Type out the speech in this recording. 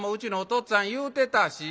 っつぁん言うてたし。